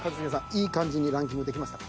いい感じにランキングできましたか？